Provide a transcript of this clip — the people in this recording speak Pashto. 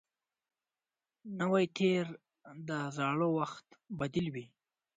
نوی تېر د زاړه وخت بدیل وي